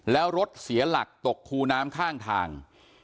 แล้วรถเสียหลักตกคูน้ำข้างทาง